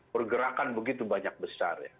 pergerakan begitu banyak besar ya